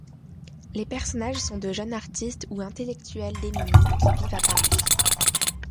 Les personnages sont de jeunes artistes ou intellectuels démunis qui vivent à Paris.